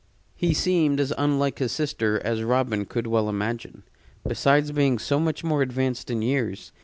He seemed as unlike his sister as Robin could well imagine, besides being so much more advanced in years.